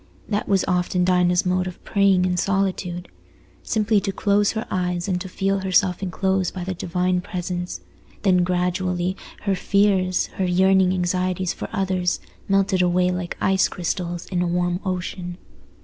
That was often Dinah's mode of praying in solitude. Simply to close her eyes and to feel herself enclosed by the Divine Presence; then gradually her fears, her yearning anxieties for others, melted away like ice crystals in a warm ocean.